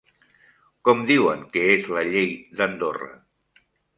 Com diuen que és la llei d'Andorra?